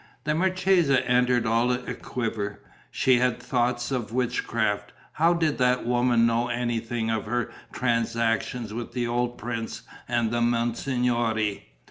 The marchesa entered all aquiver: she had thoughts of witchcraft. How did that woman know anything of her transactions with the old prince and the monsignori?